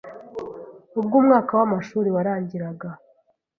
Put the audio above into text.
Ubwo umwaka w’amashuri warangirag